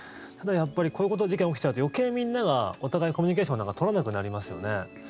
ただやっぱり、こういうこと事件が起きちゃうと余計みんながお互いコミュニケーションなんか取らなくなりますよね。